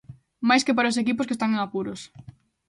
Máis que para os equipos, que están en apuros.